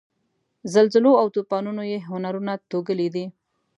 زلزلو او توپانونو یې هنرونه توږلي دي.